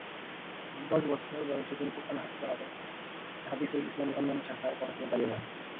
দশ বছর বয়সে তিনি কুরআন হাফিজ হন এবং হাদিস ও ইসলামি অন্যান্য শাখায় পড়াশোনা চালিয়ে যান।